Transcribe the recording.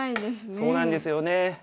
そうなんですよね。